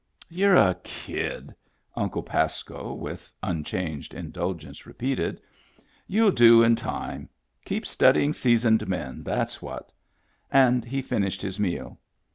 " You're a kid," Uncle Pasco, with unchanged indulgence, repeated. " You'll do in time. Keep studying seasoned men. That's what." And he finished his meal.